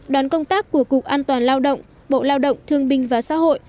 đoàn công tác của cục an toàn lao động bộ lao động thương binh và xã hội